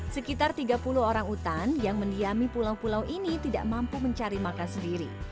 sekitar tiga puluh orang utan yang mendiami pulau pulau ini tidak mampu mencari makan sendiri